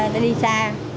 ta đi xa